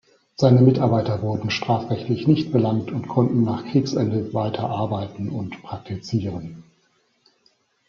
Seine Mitarbeiter wurden strafrechtlich nicht belangt und konnten nach Kriegsende weiter arbeiten und praktizieren.